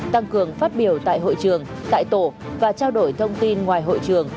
tăng cường phát biểu tại hội trường tại tổ và trao đổi thông tin ngoài hội trường